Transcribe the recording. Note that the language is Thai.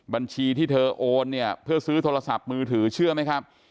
บัญชีที่เธอโอนเนี่ยเพื่อซื้อโทรศัพท์มือถือเชื่อไหมครับ